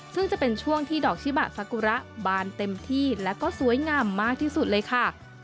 ซึ่งจะเป็นช่วงที่ดอกชิบะซากุระบานเต็มที่และก็สวยงามมากที่สุดเลยค่ะ